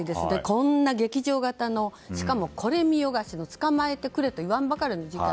こんな劇場型のしかもこれ見よがしに捕まえてくれと言わんばかりの事件。